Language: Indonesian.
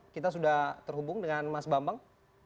kita sudah terhubung dengan mas bambang